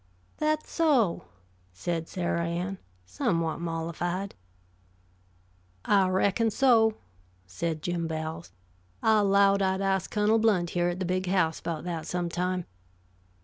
"That so?" said Sarah Ann, somewhat mollified. "I reckon so," said Jim Bowles. "I 'lowed I'd ast Cunnel Blount here at the Big House, about that some time.